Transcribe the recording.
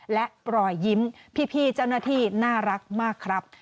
และรอยยิ้มพี่เจ้าหน้าที่น่ารักมากครับ